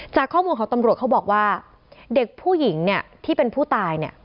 จากข้อมูลของตำรวจเขาบอกว่าเด็กผู้หญิงเนี่ยที่เป็นผู้ตายเนี่ย